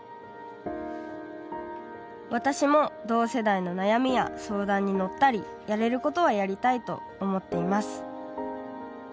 私も同世代の悩みや相談に乗ったりやれることはやりたいと思っています。